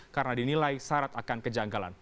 karena dinilai syarat akan kejanggalan